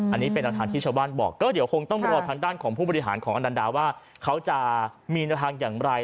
อันนี้เป็นหลักฐานที่ชาวบ้านบอกก็เดี๋ยวคงต้องรอทางด้านของผู้บริหารของอนันดาว่าเขาจะมีแนวทางอย่างไร